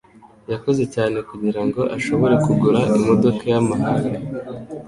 Yakoze cyane kugirango ashobore kugura imodoka yamahanga.